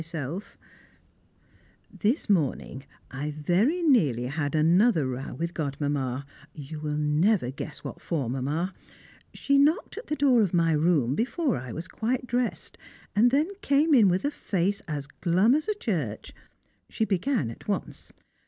[Sidenote: Etiquette of the Bathroom] This morning I very nearly had another row with Godmamma you will never guess what for, Mamma! She knocked at the door of my room before I was quite dressed, and then came in with a face as glum as a church. She began at once.